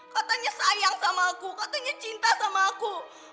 katanya sayang sama aku katanya cinta sama aku